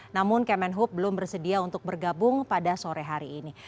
namun kemenhub belum bersedia untuk bergabung pada sore hari ini